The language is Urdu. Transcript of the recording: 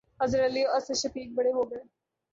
اظہر علی اور اسد شفیق 'بڑے' ہو گئے